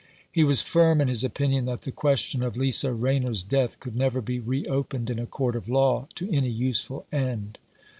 He was firm in his opinion that the question of Lisa Rayner's death could never be reopened in a court of law to any useful end.